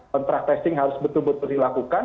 pentraktasing harus betul betul dilakukan